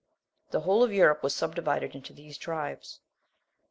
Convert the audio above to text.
The whole of Europe was subdivided into these tribes.